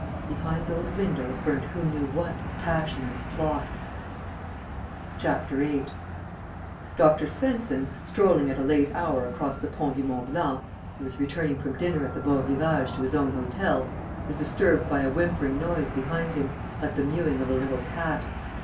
Behind those windows burnt who knew what of passion and of plot? 8 Dr. Svensen, strolling at a late hour across the Pont du Mont Blanc (he was returning from dinner at the Beau Rivage to his own hotel), was disturbed by a whimpering noise behind him, like the mewing of a little cat.